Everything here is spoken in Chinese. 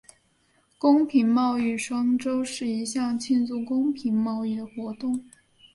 公平贸易双周是一项庆祝公平贸易的活动。